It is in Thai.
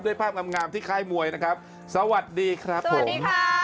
ภาพงามที่ค่ายมวยนะครับสวัสดีครับผม